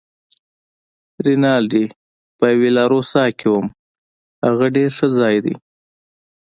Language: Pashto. رینالډي: په ویلا روسا کې وم، هغه ډېر ښه ځای دی.